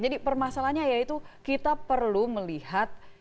jadi permasalahannya yaitu kita perlu melihat